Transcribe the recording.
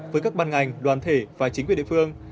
với các ban ngành đoàn thể và chính quyền địa phương